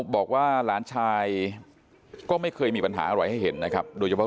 บอกว่าหลานชายก็ไม่เคยมีปัญหาอะไรให้เห็นนะครับโดยเฉพาะ